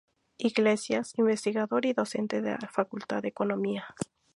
Iglesias, investigador y docente de la Facultad de Economía.